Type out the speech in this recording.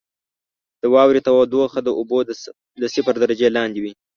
• د واورې تودوخه د اوبو د صفر درجې لاندې وي.